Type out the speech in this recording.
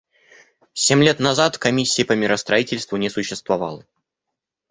Семь лет назад Комиссии по миростроительству не существовало.